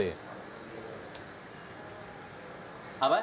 ya di luar adrt